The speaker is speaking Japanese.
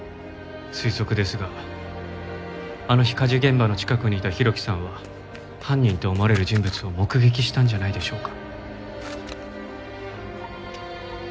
推測ですがあの日火事現場の近くにいた浩喜さんは犯人と思われる人物を目撃したんじゃないでしょうか。